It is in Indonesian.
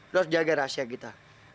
harus jaga rahasia kita